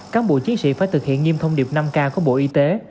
cán bộ chiến sĩ phải thực hiện nghiêm thông điệp năm k của bộ y tế